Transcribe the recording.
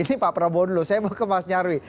ini pak prabowo dulu saya mau ke mas nyarwi